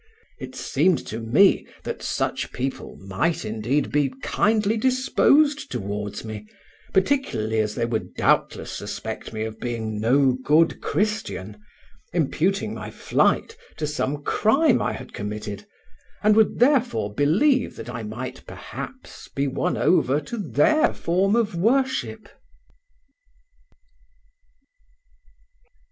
It seemed to me that such people might indeed be kindly disposed toward me, particularly as they would doubtless suspect me of being no good Christian, imputing my flight to some crime I had committed, and would therefore believe that I might perhaps be won over to their form of worship.